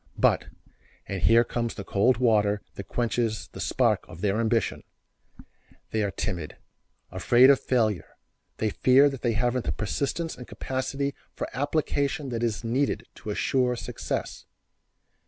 But, and here comes the cold water that quenches the spark of their ambition, they are timid; afraid of failure; they fear that they haven't the persistence and capacity for application that is needed to assure success.